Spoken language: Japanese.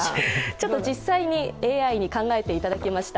ちょっと実際にＡＩに考えていただきました。